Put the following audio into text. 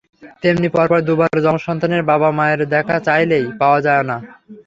তেমনি পরপর দুবার যমজ সন্তানের বাবা-মায়ের দেখা চাইলেই পাওয়া যাওয়া না।